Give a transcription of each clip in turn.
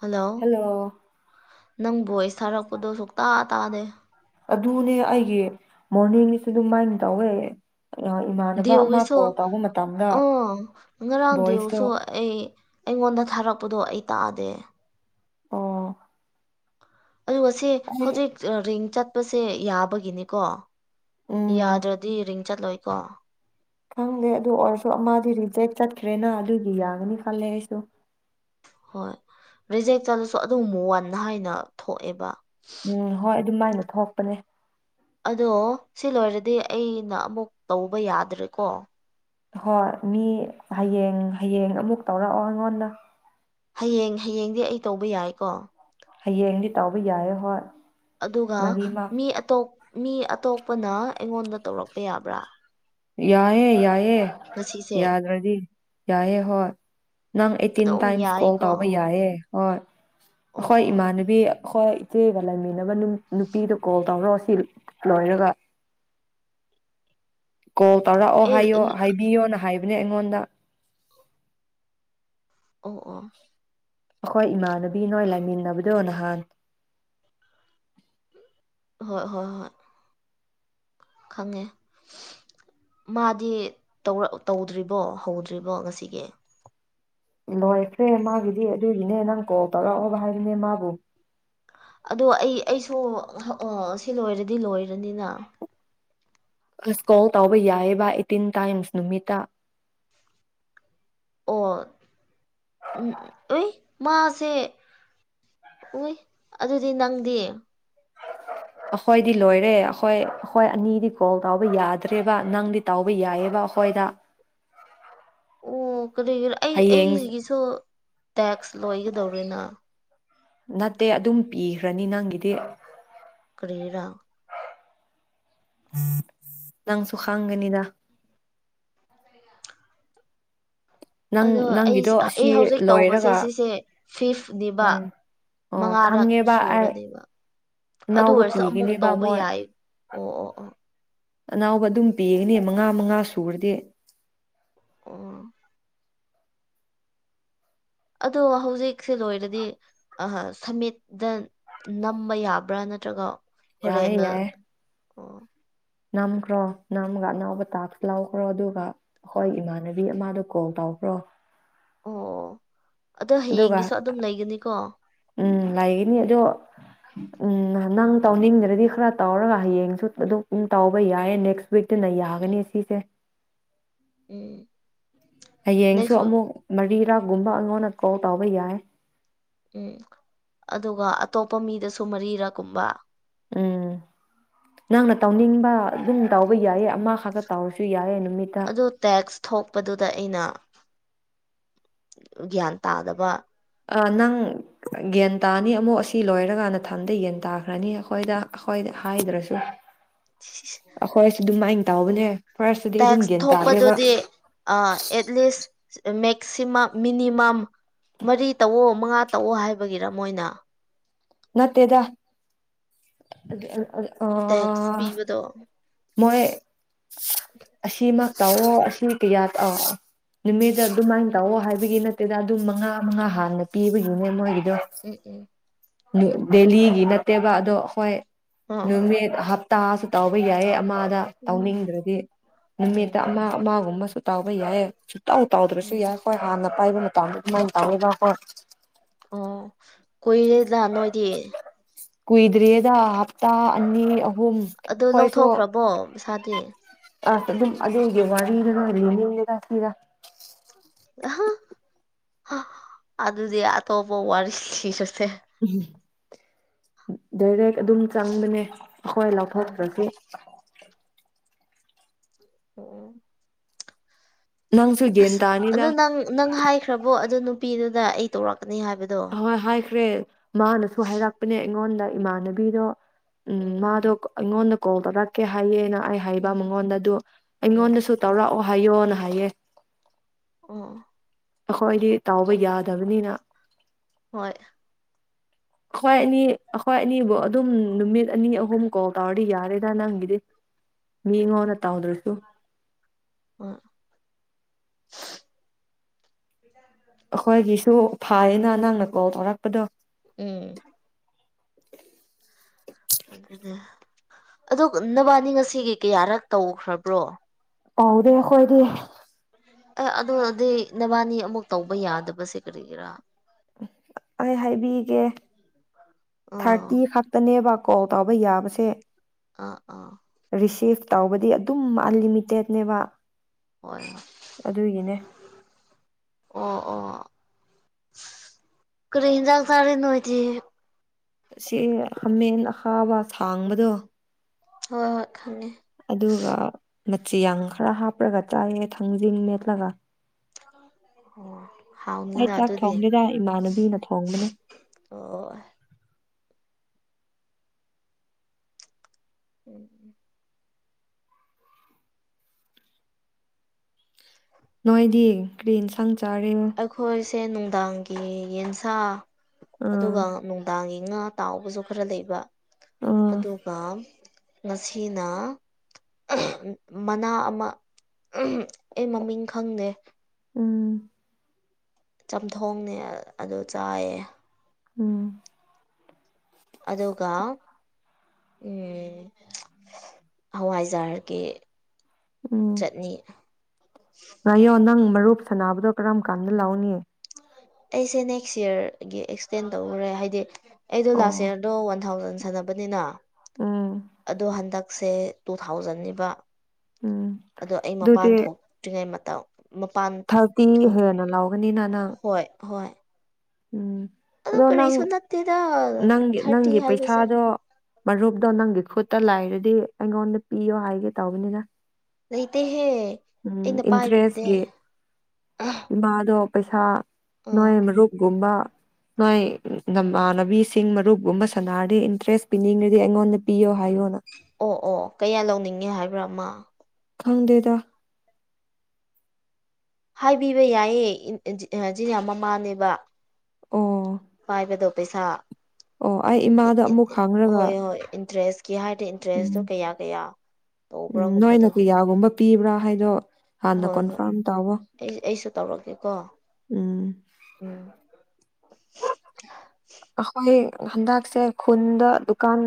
Hello ꯅꯪ voice ꯊꯥꯔꯛꯄꯗꯣ ꯁꯨꯛꯇꯥ ꯇꯥꯗꯦ ꯑꯗꯨꯅꯦ ꯑꯩꯒꯤ ꯃꯣꯔꯅꯤꯡꯅꯤꯁꯨ ꯑꯗꯨꯝ ꯃꯥꯏ ꯇꯧꯋꯦ ꯑ ꯏꯃꯥꯟꯅꯕ ꯑꯃ ꯗꯦꯌꫭꯒꯤꯁꯨ ꯀꯣꯜ ꯇꯧꯕ ꯃꯇꯝꯗ ꯑ ꯉꯔꯥꯡ ꯚꯣꯏꯁꯇꯣ ꯗꯦꯌꫭꯁꯨ ꯑꯩ ꯑꯩꯉꯣꯟꯗ ꯊꯥꯔꯛꯄꯗꯣ ꯑꯩ ꯇꯥꯗꯦ꯫ ꯑꯣ ꯑꯗꯨꯒ ꯁꯤ ꯑꯩ ꯍꯧꯖꯤꯛ ꯔꯤꯡ ꯆꯠꯄꯁꯦ ꯌꯥꯕꯒꯤꯅꯤꯀꯣ ꯎꯝ ꯌꯥꯗ꯭ꯔꯗꯤ ꯔꯤꯡ ꯆꯠꯂꯣꯏꯀꯣ ꯈꯪꯗꯦ ꯑꯗꯨ ꯑꯣꯏꯔꯁꯨ ꯑꯃꯗꯤ ꯔꯤꯖꯦꯛ ꯆꯠꯈ꯭ꯔꯦꯅ ꯑꯗꯨꯒꯤ ꯌꯥꯒꯅꯤ ꯈꯜꯂꯦ ꯑꯩꯁꯨ ꯍꯣꯏ ꯔꯤꯖꯦꯛ ꯆꯠꯂꯁꯨ ꯑꯗꯨꯝ ꯋꯥꯟ ꯍꯥꯏꯅ ꯊꯣꯛꯑꯦꯕ ꯎꯝ ꯍꯣꯏ ꯑꯗꯨ ꯃꯥꯏꯅ ꯊꯣꯛꯄꯅꯦ ꯑꯗꯣ ꯁꯤ ꯂꯣꯏꯔꯗꯤ ꯑꯩꯅ ꯑꯃꯨꯛ ꯇꯧꯕ ꯌꯥꯗ꯭ꯔꯦꯀꯣ ꯍꯣꯏ ꯃꯤ ꯍꯌꯦꯡ ꯍꯌꯦꯡ ꯑꯃꯨꯛ ꯇꯧꯔꯛꯑꯣ ꯑꯩꯉꯣꯟꯗ ꯍꯌꯦꯡ ꯍꯌꯦꯡꯗꯤ ꯑꯩ ꯇꯧꯕ ꯌꯥꯏꯀꯣ ꯍꯌꯦꯡꯗꯤ ꯇꯧꯕ ꯌꯥꯏ ꯍꯣꯏ ꯑꯗꯨꯒ ꯃꯔꯤꯃꯛ ꯃꯤ ꯑꯇꯣꯞ ꯃꯤ ꯑꯇꯣꯞꯄꯅ ꯑꯩꯉꯣꯟꯗ ꯇꯧꯔꯛꯄ ꯌꯥꯕ꯭ꯔꯥ ꯌꯥꯏꯑꯦ ꯌꯥꯏꯑꯦ ꯉꯁꯤꯁꯦ ꯌꯥꯗ꯭ꯔꯗꯤ ꯌꯥꯏꯑꯦ ꯍꯣꯏ ꯅꯪ ꯑꯩꯠ ꯇꯤꯟ ꯑꯗꯨꯝ ꯇꯥꯏꯝꯁ ꯀꯣꯜ ꯌꯥꯏꯀꯣ ꯇꯧꯕ ꯌꯥꯏꯑꯦ ꯍꯣꯏ ꯑꯣ ꯑꯈꯣꯏ ꯑꯣ ꯏꯃꯥꯟꯅꯕꯤ ꯈꯣꯏ ꯏꯆꯦꯒ ꯂꯩꯃꯤꯟꯅꯕ ꯅꯨ ꯅꯨꯄꯤꯗꯨ ꯀꯣꯜ ꯇꯧꯔꯣ ꯁꯤ ꯂꯣꯏꯔꯒ ꯀꯣꯜ ꯇꯧꯔꯛꯑꯣ ꯑꯦ ꯍꯥꯏꯌꯣ ꯏꯜ- ꯍꯥꯏꯕꯤꯌꯣꯅ ꯍꯥꯏꯕꯅꯦ ꯑꯩꯉꯣꯟꯗ ꯑꯣ ꯑꯣ ꯑꯩꯈꯣꯏ ꯏꯃꯥꯟꯅꯕꯤ ꯅꯣꯏ ꯂꯥꯏꯃꯤꯟꯅꯕꯗꯣ ꯅꯍꯥꯟ ꯍꯣꯏ ꯍꯣꯏ ꯍꯣꯏ ꯈꯪꯉꯦ ꯃꯥꯗꯤ ꯇꯧꯔꯛ ꯇꯧꯗ꯭ꯔꯤꯕꯣ ꯍꯧꯗ꯭ꯔꯤꯕꯣ ꯉꯁꯤꯒꯤ ꯂꯣꯏꯈ꯭ꯔꯦ ꯃꯥꯒꯤꯗꯤ ꯑꯗꯨꯏꯒꯤꯅꯦ ꯅꯪ ꯀꯣꯜ ꯇꯧꯔꯛꯑꯣꯕ ꯍꯥꯏꯕꯅꯦ ꯃꯥꯕꯨ ꯑꯗꯣ ꯑꯩ ꯑꯩꯁꯨ [unintelligible] ꯁꯤ ꯂꯣꯏꯔꯗꯤ ꯂꯣꯏꯔꯅꯤꯅ ꯑꯁ ꯀꯣꯜ ꯇꯧꯕ ꯌꯥꯏꯑꯕ ꯑꯩꯠꯇꯤꯟ ꯇꯥꯏꯝꯁ ꯅꯨꯃꯤꯠꯇ ꯑꯣ ꯎꯝ ꯎꯏ ꯃꯥꯁꯦ ꯎꯏ ꯑꯗꯨꯗꯤ ꯅꯪꯗꯤ [inaudible] ꯑꯈꯣꯏꯗꯤ ꯂꯣꯏꯔꯦ ꯑꯈꯣꯏ ꯑꯈꯣꯏ ꯑꯅꯤꯗꯤ ꯀꯣꯜ ꯇꯧꯕ ꯌꯥꯗ꯭ꯔꯦꯕ ꯅꯪꯗꯤ ꯇꯥꯎꯕ ꯌꯥꯏꯑꯕ ꯑꯈꯣꯏꯗ ꯑꯣ ꯀꯔꯤꯒꯤꯔ ꯑꯩ ꯍꯌꯦꯡ ꯑꯩꯁꯤꯒꯤꯁꯨ ꯇꯦꯛꯁ ꯂꯣꯏꯒꯗꯧꯔꯦꯅ ꯅꯠꯇꯦ ꯑꯗꯨꯝ ꯄꯤꯈ꯭ꯔꯅꯤ ꯅꯪꯒꯤꯗꯤ ꯀꯔꯤꯔꯥ ꯅꯪꯁꯨ ꯈꯪꯒꯅꯤꯗ ꯑꯗꯣ ꯅꯪ ꯑꯩ ꯅꯪꯒꯤꯗꯣ ꯑꯩ ꯑꯁꯤ ꯍꯧꯖꯤꯛ ꯇꯧꯕꯁꯦ ꯂꯣꯏꯔꯒ ꯁꯤꯁꯦ ꯐꯤꯐꯅꯤꯕ ꯎꯝ ꯑꯣ ꯃꯉꯥꯔꯛ ꯈꯪꯉꯦꯕ ꯑꯩ ꯁꯨꯔꯅꯤꯕ ꯑꯗꯨ ꯑꯅꯥꯎꯕ ꯑꯣꯏꯔꯁꯨ ꯑꯃꯨꯛ ꯄꯤꯒꯅꯦꯕ ꯇꯧꯕ ꯃꯣꯏ ꯌꯥꯏ ꯑꯣ ꯑꯣ ꯑꯣ ꯑꯅꯧꯕ ꯑꯗꯨꯝ ꯄꯤꯒꯅꯤ ꯃꯉꯥ ꯃꯉꯥ ꯁꯨꯔꯗꯤ ꯑꯣ ꯑꯗꯣ ꯍꯧꯖꯤꯛꯁꯦ ꯂꯣꯏꯔꯗꯤ [unintelligible] ꯁꯃꯤꯠ ꯗꯟ ꯅꯝꯕ ꯌꯥꯕ꯭ꯔꯥ ꯅꯠꯇ꯭ꯔꯒ ꯌꯥꯏꯌꯦ ꯍꯣꯔꯦꯟꯅ ꯌꯥꯏꯌꯦ ꯑꯣ ꯅꯝꯈ꯭ꯔꯣ ꯅꯝꯃꯒ ꯑꯅꯧꯕ ꯇꯥꯛꯁ ꯂꯧꯈ꯭ꯔꯣ ꯑꯗꯨꯒ ꯑꯈꯣꯏ ꯏꯃꯥꯟꯅꯕꯤ ꯑꯃꯗꯣ ꯀꯣꯜ ꯇꯧꯈ꯭ꯔꯣ ꯑꯣ ꯑꯗꯣ ꯑꯗꯨꯒ ꯍꯌꯦꯡꯒꯤꯁꯨ ꯑꯗꯨꯝ ꯂꯩꯒꯅꯤꯀꯣ ꯎꯝ ꯂꯩꯒꯅꯤ ꯑꯗꯣ ꯎꯝ ꯅꯪ ꯇꯧꯅꯤꯡꯗ꯭ꯔꯗꯤ ꯈꯔ ꯇꯧꯔꯒ ꯍꯌꯦꯡꯁꯨ ꯑꯗꯨꯝ ꯇꯧꯕ ꯌꯥꯏꯌꯦ ꯅꯦꯛꯁ ꯇ꯭ꯋꯤꯠꯇꯅ ꯌꯥꯒꯅꯤ ꯁꯤꯁꯦ ꯎꯝ ꯍꯌꯦꯡꯁꯨ ꯅꯦꯛꯁ ꯋꯤꯛ ꯑꯃꯨꯛ ꯃꯔꯤꯔꯛꯒꯨꯝꯕ ꯑꯩꯉꯣꯟꯗ ꯀꯣꯜ ꯇꯧꯕ ꯌꯥꯏ ꯎꯝ ꯑꯗꯨꯒ ꯑꯇꯣꯞꯄ ꯃꯤꯗꯁꯨ ꯃꯔꯤꯔꯛ ꯀꯨꯝꯕ ꯎꯝ ꯅꯪꯅ ꯇꯧꯅꯤꯡꯕ ꯑꯗꯨꯝ ꯇꯧꯕ ꯎꯝ ꯌꯥꯏꯌꯦ ꯑꯃꯈꯛꯇ ꯇꯧꯔꯁꯨ ꯌꯥꯏꯌꯦ ꯅꯨꯃꯤꯠꯇ ꯑꯗꯣ ꯇꯦꯛꯁ ꯊꯣꯛꯄꯗꯨꯗ ꯑꯩꯅ ꯒ꯭ꯌꯥꯟ ꯇꯥꯗꯕ ꯑꯥ ꯅꯪ ꯒꯌ꯭ꯥꯟ ꯇꯥꯅꯤ ꯑꯃꯨꯛ ꯑꯁꯤ ꯂꯣꯏꯔꯀꯥꯟꯗ ꯊꯟꯗ ꯌꯥꯟ ꯇꯥꯈ꯭ꯔꯅꯤ ꯑꯩꯈꯣꯏꯗ ꯑꯩꯈꯣꯏ ꯍꯥꯏꯗ꯭ꯔꯁꯨ [inaudible] ꯑꯈꯣꯏꯁꯨ ꯗꯨꯃꯥꯏꯟ ꯇꯥꯎꯕꯅꯦ ꯐꯥꯔꯁꯇꯗꯤ ꯑꯗꯨꯝ ꯒ꯭ꯌꯥꯟ ꯇꯥꯗꯦꯕ ꯑ ꯑꯦꯠꯂꯤꯁ ꯃꯦꯛꯁꯤꯃꯝ ꯃꯤꯅꯤꯃꯝ ꯃꯔꯤ ꯇꯧꯑꯣ ꯃꯉꯥ ꯇꯧꯑꯣ ꯍꯥꯏꯕꯒꯤꯔꯥ ꯃꯣꯏꯅ ꯅꯠꯇꯦꯗ ꯇꯦꯛꯁ ꯄꯤꯕꯗꯣ ꯃꯣꯏ ꯑꯁꯤꯃꯛ ꯇꯧꯑꯣ ꯑꯁꯤ ꯀꯌꯥꯠ ꯑ ꯅꯨꯃꯤꯠꯗ ꯑꯗꯨꯃꯥꯏꯅ ꯇꯧꯑꯣ ꯍꯥꯏꯕꯒꯤ ꯅꯠꯇꯦꯗ ꯑꯗꯨꯝ ꯃꯉꯥ ꯃꯉꯥ ꯍꯥꯟꯅ ꯄꯤꯕ ꯕꯅꯦ ꯃꯣꯏꯒꯤꯗꯣ ꯎꯝ ꯎꯝ ꯗꯦꯂꯤꯒꯤ ꯅꯠꯇꯦꯕ ꯑꯗꯣ ꯍꯣꯏ ꯍꯣꯏ ꯅꯨꯃꯤꯠ ꯍꯞꯇꯥꯁꯨ ꯇꯧꯕ ꯌꯥꯏ ꯑꯃꯥꯗ ꯍꯣꯏ ꯇꯧꯅꯤꯡꯗ꯭ꯔꯗꯤ ꯅꯨꯃꯤꯠꯇ ꯎꯝ ꯑꯃ ꯑꯃꯒꯨꯝꯕꯁꯨ ꯇꯥꯎꯕ ꯌꯥꯏꯌꯦ ꯁꯨꯇꯧ ꯇꯥꯎꯗ꯭ꯔꯁꯨ ꯎꯝ ꯎꯝ ꯌꯥꯏ ꯈꯣꯏ ꯍꯥꯟꯅ ꯄꯥꯏꯕ ꯃꯇꯝꯗ ꯑꯗꯨꯃꯥꯏꯟ ꯇꯧꯋꯦꯕꯀꯣ ꯑꯣ ꯀꯨꯏꯔꯦꯗ ꯅꯣꯏꯗꯤ ꯀꯨꯏꯗ꯭ꯔꯤꯌꯦꯗ ꯍꯞꯇꯥ ꯑꯅꯤ ꯑꯍꯨꯝ ꯈꯣꯏꯁꯨ ꯕꯣꯝ ꯄꯩꯁꯥꯗꯤ ꯑꯁ ꯑꯗꯨꯝ ꯑꯗꯨꯒꯤ ꯋꯥꯔꯤꯗꯨꯅ ꯂꯤꯅꯤꯡꯔꯦꯗ ꯀꯔ꯭ꯤꯔ꯭ꯥ ꯑꯗꯨꯗꯤ ꯑꯇꯣꯞꯄ ꯋꯥꯔꯤ ꯂꯤꯔꯁꯦ ꯎꯝ ꯗꯥꯏꯔꯦꯛ ꯑꯗꯨꯝ ꯆꯪꯕꯅꯦ ꯑꯩꯈꯣꯏ ꯎꯝ ꯂꯧꯊꯣꯛꯈꯇꯔ꯭ꯁꯨ ꯑꯣ ꯅꯪꯁꯨ ꯒ꯭ꯌꯥꯟ ꯑꯁ ꯇꯥꯅꯤꯗ ꯑꯗꯨ ꯅꯪ ꯅꯪ ꯍꯥꯏꯈ꯭ꯔꯕꯣ ꯑꯗꯨ ꯅꯨꯄꯤꯗꯨꯗ ꯑꯩ ꯇꯧꯔꯛꯀꯅꯤ ꯍꯥꯏꯕꯗꯣ ꯍꯣꯏ ꯍꯥꯏꯈ꯭ꯔꯦ ꯃꯥꯅꯁꯨ ꯍꯥꯏꯔꯛꯄꯅꯦ ꯑꯩꯉꯣꯟꯗ ꯏꯃꯥꯟꯅꯕꯤꯗꯣ ꯎꯝ ꯃꯥꯗꯣ ꯑꯩꯉꯣꯟꯗ ꯀꯣꯜ ꯇꯧꯔꯛꯀꯦ ꯍꯥꯏꯌꯦꯅ ꯑꯩ ꯍꯥꯏꯕ ꯎꯝ ꯃꯉꯣꯟꯗ ꯑꯗꯨ ꯎꯝ ꯑꯩꯉꯣꯟꯗꯁꯨ ꯇꯧꯔꯥꯛꯑꯣ ꯍꯥꯏꯌꯣꯅ ꯍꯥꯏꯌꯦ ꯑꯣ ꯑꯈꯣꯏꯗꯤ ꯇꯥꯎꯕ ꯌꯥꯗꯕꯅꯤꯅ ꯍꯣꯏ ꯑꯩꯈꯣꯏ ꯑꯅꯤ ꯑꯈꯣꯏ ꯑꯅꯤꯕꯨ ꯑꯗꯨꯝ ꯅꯨꯃꯤꯠ ꯑꯅꯤ ꯑꯍꯨꯝ ꯀꯣꯜ ꯇꯧꯔꯗꯤ ꯌꯥꯔꯦꯗ ꯅꯪꯒꯤꯗꯤ ꯎꯝ ꯃꯤꯉꯣꯟꯗ ꯇꯧꯗ꯭ꯔꯁꯨ [inaudible] [inaudible] ꯑꯩꯈꯣꯏꯒꯤꯁꯨ ꯐꯥꯏꯌꯦꯅ ꯅꯪꯅ ꯀꯣꯜ ꯇꯧꯔꯛꯄꯗꯣ ꯎꯝ ꯑꯗꯨꯗꯤ ꯑꯗꯣ ꯅꯕꯥꯅꯤ ꯉꯁꯤꯒꯤ ꯀꯌꯥꯔꯛ ꯇꯧꯈ꯭ꯔꯕ꯭ꯔꯣ ꯇꯧꯗꯦ ꯑꯩ ꯈꯣꯏꯗꯤ ꯑꯦ ꯑꯗꯨꯗꯤ ꯅꯕꯥꯅꯤ ꯑꯃꯨꯛ ꯇꯧꯕ ꯌꯥꯗꯕꯁꯦ ꯀꯔꯤꯒꯤꯔꯥ ꯑꯩ ꯍꯥꯏꯕꯤꯒꯦ ꯑꯥ ꯊꯔꯇꯤ ꯈꯛ ꯇꯅꯦꯕ ꯀꯣꯜ ꯇꯥꯎꯕ ꯌꯥꯕꯁꯦ ꯑꯥ ꯑꯥ ꯔꯤꯁꯤꯞ ꯇꯧꯕꯗꯤ ꯑꯗꯨꯝ ꯑꯟꯂꯤꯃꯤꯇꯦꯠꯅꯦꯕ ꯍꯣꯏ ꯍꯣꯏ ꯑꯗꯨꯒꯤꯅꯦ ꯑꯣ ꯑꯣ ꯀꯔꯤ ꯌꯦꯟꯖꯥꯡ ꯆꯥꯔꯤꯅꯣꯏꯗꯤ ꯁꯦ ꯍꯥꯃꯦꯟ ꯑꯈꯥꯕ ꯁꯥꯡꯕꯗꯣ ꯍꯣꯏ ꯍꯣꯏ ꯈꯪꯉꯦ ꯑꯗꯨꯒ ꯃꯆꯤꯌꯥꯡ ꯈꯔ ꯍꯥꯞꯄꯒ ꯆꯥꯏꯑ ꯊꯥꯡꯖꯤꯡ ꯃꯦꯠꯂꯒ ꯑ ꯑꯣ ꯑꯩ ꯍꯥꯎꯅꯤꯅ ꯆꯥꯛ ꯑꯗꯨꯗꯤ ꯊꯣꯡꯗꯦꯗ ꯏꯃꯥꯟꯅꯕꯤꯅ ꯊꯣꯡꯕꯅꯦ ꯑꯣ ꯎꯝ ꯎꯝ ꯅꯣꯏꯗꯤ ꯀ꯭ꯔꯤ ꯑꯦꯟꯁꯪ ꯆꯥꯔꯦ꯫ ꯑꯩꯈꯣꯏꯁꯦ ꯅꯨꯡꯗꯥꯡꯒꯤ ꯌꯦꯟꯁꯥ ꯑꯗꯨꯒ ꯑꯥ ꯅꯨꯡ ꯗꯥꯡꯒꯤ ꯉꯥ ꯇꯥꯎꯕꯁꯨ ꯈꯔ ꯂꯩꯕ ꯑꯗꯨꯒ ꯉꯁꯤꯅ ꯃꯅꯥ ꯑꯃ ꯑꯩ ꯃꯃꯤꯡ ꯈꯪꯗꯦ ꯎꯝ ꯆꯝꯊꯣꯡꯅꯦ ꯑꯗꯨ ꯆꯥꯏꯌꯦ ꯎꯝ ꯑꯗꯨꯒ ꯎꯝ ꯍꯋꯥꯏꯖꯥꯔꯒꯤ ꯎꯝ ꯆꯠꯅꯤ ꯉꯥꯏꯌꯣ ꯅꯪ ꯃꯔꯨꯞ ꯁꯥꯟꯅꯕꯗꯣ ꯀꯔꯝ ꯀꯥꯟꯗ ꯂꯥꯎꯅꯤ ꯑꯩꯁꯦ ꯅꯦꯛꯁ ꯌꯥꯔꯒꯤ ꯑꯦꯛꯁꯇꯦꯟ ꯇꯧꯈ꯭ꯔꯦ ꯍꯥꯏꯗꯤ ꯑꯩꯗꯣ ꯑꯣ ꯂꯥꯁ ꯑꯌꯥꯔ ꯑꯗꯣ ꯋꯥꯟ ꯊꯥꯎꯖꯟ ꯁꯥꯟꯅꯕꯅꯤꯅ ꯎꯝ ꯑꯗꯣ ꯍꯟꯗꯛꯁꯦ ꯇꯨ ꯊꯥꯎꯖꯟꯅꯤꯕ ꯎꯝ ꯑꯗꯣ ꯑꯩ ꯃꯄꯥꯟ ꯑꯗꯨꯗꯤ ꯊꯣꯛꯇ꯭ꯔꯤꯉꯩ ꯃꯇꯝ ꯃꯄꯥꯟ ꯊꯥꯔꯇꯤ ꯊꯣꯛ ꯍꯦꯟꯅ ꯂꯧꯒꯅꯤꯅ ꯅꯪ ꯍꯣꯏ ꯍꯣꯏ ꯎꯝ ꯑꯗꯨ ꯑꯗꯣ ꯅꯪ ꯀꯔꯤꯁꯨ ꯅꯠꯇꯦꯗ ꯅꯪꯒꯤ ꯊꯥꯔꯇꯤ ꯅꯪꯒꯤ ꯍꯥꯏꯕꯁꯦ ꯄꯩꯁꯥꯗꯣ ꯃꯔꯨꯞꯇꯣ ꯅꯪꯒꯤ ꯈꯨꯠꯇ ꯂꯥꯏꯔꯗꯤ ꯑꯩꯉꯣꯟꯗ ꯄꯤꯌꯣ ꯍꯥꯏꯒꯦ ꯇꯧꯕꯅꯤꯗ ꯂꯩꯇꯦꯍꯦ ꯎꯝ ꯑꯩꯅ ꯄꯥꯏꯕꯗꯤ ꯏꯟꯇ꯭ꯔꯦꯁꯀꯤ ꯑ ꯏꯕꯥꯗꯣ ꯄꯩꯁꯥ ꯑꯥ ꯅꯣꯏ ꯃꯔꯨꯞꯒꯨꯝꯕ ꯅꯣꯏ ꯅꯃꯥꯟꯅꯕꯤꯁꯤꯡ ꯃꯔꯨꯞꯒꯨꯝꯕ ꯁꯥꯟꯅꯔꯗꯤ ꯏꯟꯇꯔꯦꯁ ꯄꯤꯅꯤꯡꯉꯗꯤ ꯑꯩꯉꯣꯟꯗ ꯄꯤꯌꯣ ꯍꯥꯏꯌꯣꯅ ꯑꯣ ꯑꯣ ꯀꯌꯥ ꯂꯧꯅꯤꯡꯉꯦ ꯍꯥꯏꯕ꯭ꯔꯥ ꯃ ꯈꯪꯗꯦꯗ ꯍꯥꯏꯕꯤꯕ ꯌꯥꯏꯌꯦ ꯑ ꯖꯤꯅꯥ ꯃꯃꯥꯅꯦꯕ ꯑꯣ ꯐꯏꯕꯗꯣ ꯄꯩꯁꯥ ꯑꯣ ꯑꯩ ꯏꯃꯥꯗ ꯑꯃꯨꯛ ꯈꯥꯡꯔꯒ ꯍꯣꯏ ꯏꯟꯇꯔꯦꯁꯀꯤ ꯍꯥꯏꯗꯤ ꯏꯟꯇꯔꯦꯁꯇꯣ ꯀꯌꯥ ꯀꯌꯥ ꯎꯝ ꯅꯣꯏꯅ ꯇꯧꯕ꯭ꯔꯥꯒꯨꯝꯕꯗꯣ ꯀꯌꯥꯒꯨꯝꯕ ꯄꯤꯕ꯭ꯔꯥ ꯍꯥꯏꯗꯣ ꯍꯥꯟꯅ ꯍꯣꯏ ꯍꯣꯏ ꯀꯣꯟꯐꯥꯔꯝ ꯇꯥꯎꯋꯣ ꯑꯩ ꯑꯩꯁꯨ ꯇꯧꯔꯛꯀꯦꯀꯣ ꯎꯝ ꯎꯝ ꯑꯩꯈꯣꯏ ꯍꯟꯗꯛꯁꯦ ꯈꯨꯟꯗ ꯗꯨꯀꯥꯟ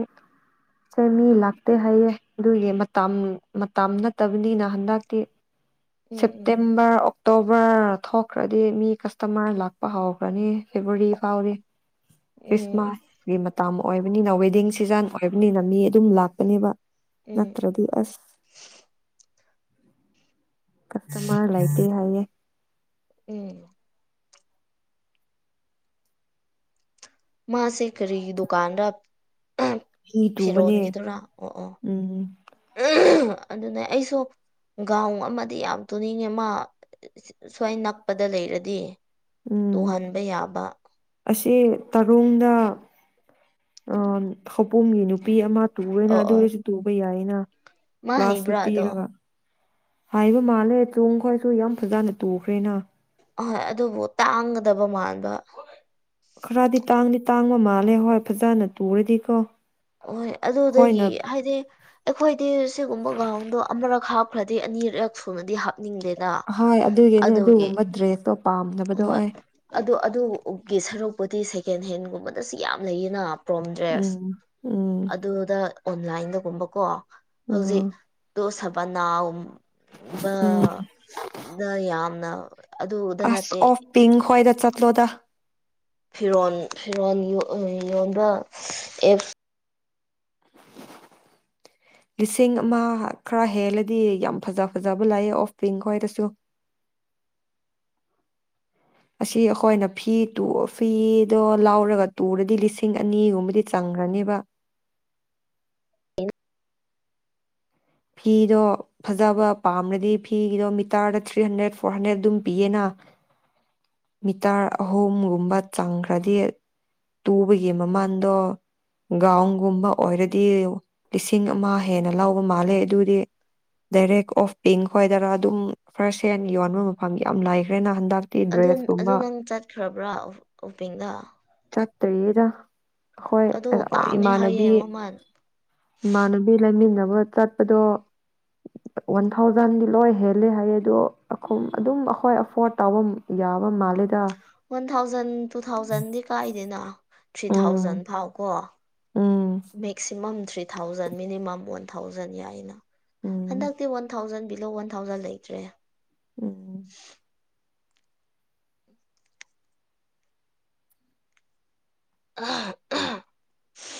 ꯁꯦ ꯃꯤ ꯂꯥꯛꯇꯦ ꯍꯥꯏꯌꯦ ꯑꯗꯨꯒꯤ ꯃꯇꯝ ꯃꯇꯝ ꯅꯠꯇꯕꯅꯤꯅ ꯍꯟꯗꯛꯇꯤ [inaudible] ꯁꯦꯞꯇꯦꯝꯕꯔ ꯑꯣꯛꯇꯣꯕꯔ ꯊꯣꯛꯈ꯭ꯔꯗꯤ ꯃꯤ ꯀꯁꯇꯃꯔ ꯂꯥꯛꯄ ꯍꯧꯈ꯭ꯔꯅꯤ ꯐꯦꯕꯋꯥꯔꯤ ꯐꯥꯎꯗꯤ ꯎꯝ ꯎꯝ ꯈ꯭ꯔꯤꯁꯃꯥꯁꯀꯤ ꯃꯇꯝ ꯑꯣꯏꯕꯅꯤꯅ ꯋꯦꯗꯤꯡ ꯁꯤꯖꯟ ꯑꯣꯏꯕꯅꯤꯅ ꯃꯤ ꯑꯗꯨꯝ ꯂꯥꯛꯒꯅꯤꯕ ꯎꯝ ꯅꯠꯇ꯭ꯔꯗꯤ ꯑꯁ ꯀꯥꯁꯇꯥꯔꯃꯥꯔ ꯂꯩꯇꯦ ꯍꯥꯏꯌꯦ ꯑꯦ ꯃꯥꯁꯦ ꯀꯔꯤꯒꯤ ꯗꯨꯀꯥꯟꯗ ꯐꯤ ꯇꯨꯕꯅꯦ ꯐꯤꯔꯣꯟꯒꯤꯗꯨꯔꯥ ꯑꯣ ꯑꯣ ꯎꯝ ꯑꯗꯨꯅ ꯑꯩꯁꯨ ꯒꯥꯎꯟ ꯑꯃꯗꯤ ꯌꯥꯝ ꯇꯨꯅꯤꯡꯉꯦ ꯃꯥ ꯁ꯭ꯋꯥꯏ ꯅꯛꯄꯗ ꯂꯩꯔꯗꯤ ꯎꯝ ꯇꯨꯍꯟꯕ ꯌꯥꯕ ꯑꯁꯤ ꯇꯥꯔꯨꯡꯗ ꯈꯧꯕꯨꯝꯒꯤ ꯅꯨꯄꯤ ꯑꯃ ꯇꯨꯋꯦꯅ ꯑꯣ ꯑꯗꯨ ꯑꯣ ꯑꯣꯏꯔꯁꯨ ꯇꯨꯕ ꯌꯥꯏꯌꯦꯅ ꯃꯥ ꯀ꯭ꯂꯥꯁꯇ ꯍꯩꯕ꯭ꯔꯥ ꯑꯗꯣ ꯄꯤꯔꯒ ꯍꯥꯏꯕ ꯃꯥꯜꯂꯦ ꯆꯨꯡ ꯈꯣꯏꯁꯨ ꯌꯥꯝ ꯐꯖꯅ ꯇꯨꯈ꯭ꯔꯦꯅ ꯍꯣꯏ ꯑꯗꯨꯕꯨ ꯇꯥꯡꯒꯗꯕ ꯃꯥꯟꯕ ꯈꯔꯗꯤ ꯇꯥꯡꯗꯤ ꯇꯥꯡꯕ ꯃꯥꯜꯂꯦ ꯍꯣꯏ ꯐꯖꯅ ꯇꯨꯔꯗꯤꯀꯣ ꯍꯣꯏ ꯑꯗꯨꯗꯒꯤ ꯍꯣꯏꯅ ꯍꯥꯏꯗꯤ ꯑꯩꯈꯣꯏꯗꯤ ꯁꯤꯒꯨꯝꯕ ꯒ꯭ꯔꯥꯎꯟꯗꯣ ꯑꯃꯔꯛ ꯍꯥꯞꯄ ꯈꯔꯗꯤ ꯑꯅꯤꯔꯛ ꯁꯨꯅꯗꯤ ꯍꯥꯞ ꯍꯥꯞꯅꯤꯡꯗꯦꯅ ꯍꯣꯏ ꯑꯗꯨꯒꯤꯅꯦ ꯑꯗꯨꯒꯤ ꯑꯗꯨꯒꯨꯝꯕ ꯗ꯭ꯔꯦꯁꯇꯣ ꯄꯥꯝꯗꯕꯗꯣ ꯑꯩ ꯑꯣ ꯑꯗꯨꯒꯤ ꯁꯔꯨꯛꯄꯨꯗꯤ ꯁꯦꯀꯦꯟ ꯍꯦꯟꯒꯨꯝꯕꯗꯁꯨ ꯌꯥꯝ ꯂꯩꯌꯦꯅ ꯄ꯭ꯔꯣꯝ ꯗ꯭ꯔꯦꯁ ꯎꯝ ꯎꯝ ꯑꯗꯨꯗ ꯑꯣꯟꯂꯥꯏꯟꯗꯒꯨꯝꯕ ꯀꯣ ꯍꯧꯖꯤꯛ ꯎꯝ ꯇꯣ ꯁꯕꯅꯥꯎ ꯕ ꯎꯝ ꯌꯥꯝꯅ ꯑꯗꯨꯗ ꯑꯁ ꯑꯣꯐ ꯄꯤꯡ ꯈ꯭ꯣꯏꯗ ꯆꯠꯂꯣꯗ ꯐꯤꯔꯣꯜ ꯐꯤꯔꯣꯜ ꯌꯣꯟꯕ ꯑꯦꯞ [inaudible] ꯂꯤꯁꯤꯡ ꯑꯃ ꯈꯔ ꯍꯦꯜꯂꯗꯤ ꯌꯥꯝ ꯐꯖ ꯐꯖꯕ ꯂꯩꯑꯦ ꯑꯣꯐ ꯄꯤꯡ ꯍꯣꯏꯗꯁꯨ ꯑꯁꯤ ꯑꯩꯈꯣꯏꯅ ꯐꯤ ꯐꯤꯗꯣ ꯂꯥꯎꯔꯒ ꯇꯨꯔꯗꯤ ꯂꯤꯁꯤꯡ ꯑꯅꯤꯒꯨꯝꯕꯗꯤ ꯆꯪꯈ꯭ꯔꯅꯦꯕ ꯐꯤꯗꯣ ꯐꯖꯕ ꯄꯥꯝꯅꯗꯤ ꯐꯤꯒꯤꯗꯣ ꯃꯤꯇꯔꯗ ꯊ꯭ꯔꯤ ꯍꯟꯗ꯭ꯔꯦꯠ ꯐꯣꯔ ꯍꯟꯗ꯭ꯔꯦꯠ ꯑꯗꯨꯝ ꯄꯤꯌꯦꯅ ꯃꯤꯇꯔ ꯑꯍꯨꯝꯒꯨꯝꯕ ꯆꯪꯈ꯭ꯔꯗꯤ ꯇꯨꯕꯒꯤ ꯃꯃꯥꯟꯗꯣ ꯒꯥꯎꯟꯒꯨꯝꯕ ꯑꯣꯏꯔꯗꯤ ꯂꯤꯁꯤꯡ ꯑꯃ ꯍꯦꯟꯅ ꯂꯧꯕ ꯃꯥꯜꯂꯦ ꯑꯗꯨꯗꯤ ꯗꯥꯏꯔꯦꯛ ꯑꯣꯐ ꯄꯤꯡ ꯈꯣꯏꯗꯔ ꯑꯗꯨꯝ ꯐꯥꯔꯁ ꯍꯦꯟ ꯌꯣꯟꯕ ꯃꯐꯝ ꯌꯥꯝ ꯂꯩꯈ꯭ꯔꯦꯅ ꯍꯟꯗꯛ ꯑꯗꯨ ꯑꯗꯨ ꯅꯪ ꯆꯠꯈ꯭ꯔꯕ꯭ꯔꯥ ꯑꯣꯐꯄꯦꯡꯗ ꯆꯠꯇ꯭ꯔꯤꯗ ꯑꯩꯈꯣꯏ ꯑꯗꯣ ꯇꯥꯡꯉꯦ ꯏꯃꯥꯟꯅꯕꯤ ꯍꯥꯏꯌꯦ ꯃꯃꯜ ꯏꯃꯥꯟꯅꯕꯤ ꯂꯩꯃꯤꯟꯅꯕ ꯆꯠꯄꯗꯣ ꯋꯥꯟ ꯊꯥꯎꯖꯟꯗꯤ ꯂꯣꯏ ꯍꯦꯜꯂꯦ ꯍꯥꯏꯌꯦ ꯑꯗꯣ ꯑꯗꯨꯝ ꯑꯩꯈꯣꯏ ꯑꯦꯐꯣꯔꯠ ꯇꯧꯕ ꯌꯥꯕ ꯃꯥꯜꯂꯦꯗ ꯋꯥꯟ ꯊꯥꯎꯖꯟ ꯇꯨ ꯊꯥꯎꯖꯟꯗꯤ ꯀꯥꯏꯗꯅꯣ ꯊ꯭ꯔꯤ ꯊꯥꯎꯖꯟ ꯎꯝ ꯐꯥꯎ ꯀꯣ ꯎꯝ maximum three thousand minimum one thousand ꯌꯥꯏꯅ ꯎꯝ ꯍꯟꯗꯛꯇꯤ one thousand below one thousand ꯂꯩꯇ꯭ꯔꯦ ꯎꯝ ꯑ ꯑ [unintelligible]